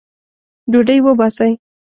ډوډۍ وباسئ